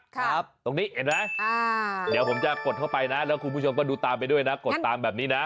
ตรงนี้เห็นไหมเดี๋ยวผมจะกดเข้าไปนะแล้วคุณผู้ชมก็ดูตามไปด้วยนะกดตามแบบนี้นะ